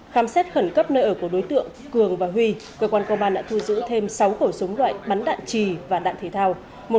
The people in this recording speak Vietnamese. khám xét khẩn cấp nơi ở của đối tượng cường và huy cơ quan công an đã thu giữ thêm sáu khẩu súng loại bắn đạn trì và đạn thể thao